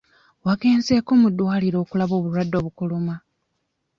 Wagenzeeko mu ddwaliro okulaba obulwadde obukuluma?